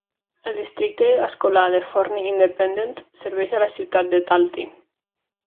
El districte escolar de Forney Independent serveix a la ciutat de Talty.